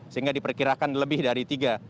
sehingga diperkirakan lebih dari tiga